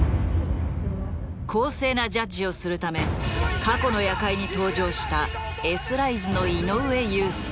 公正なジャッジをするため過去の夜会に登場したＳライズの井上雄介。